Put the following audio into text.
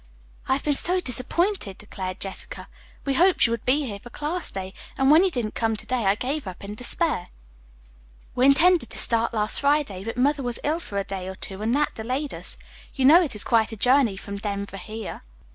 "I have been so disappointed," declared Jessica. "We hoped you would be here for class day, and when you didn't come to day I gave up in despair." "We intended to start last Friday, but mother was ill for a day or two, and that delayed us. You know it is quite a journey from Denver here."